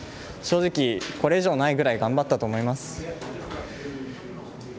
正直、これ以上ないぐらい頑張ったと思います。